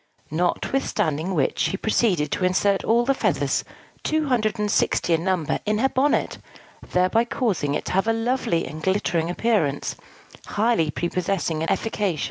Notwithstanding which, she proceeded to insert all the feathers two hundred and sixty in number in her bonnet; thereby causing it to have a lovely and glittering appearance, highly prepossessing and efficacious.